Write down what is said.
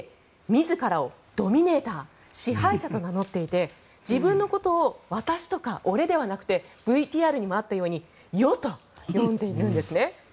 自らをドミネーター支配者と名乗っていて自分のことを私とか俺ではなくてＶＴＲにもあったように余と呼んでいるんです。